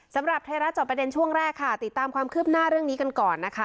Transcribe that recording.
สำหรับไทยรัฐจอบประเด็นช่วงแรกค่ะติดตามความคืบหน้าเรื่องนี้กันก่อนนะคะ